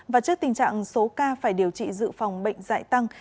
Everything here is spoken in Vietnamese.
và trước tình trạng số ca phải điều trị dự phòng bệnh dạy tăng